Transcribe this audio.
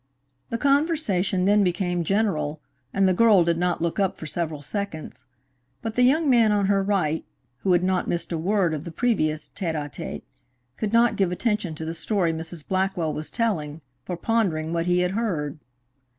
The conversation then became general, and the girl did not look up for several seconds; but the young man on her right, who had not missed a word of the previous tête à tête, could not give attention to the story Mrs. Blackwell was telling, for pondering what he had heard.